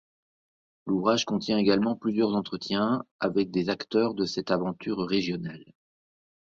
L'ouvrage contient également plusieurs entretiens avec des acteurs de cette aventure régionale.